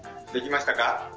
できましたか？